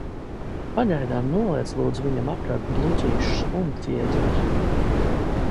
Pagaidām noliec, lūdzu, viņam apkārt bluķīšus un ķieģeļus!